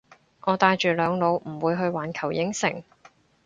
我帶住兩老唔會去環球影城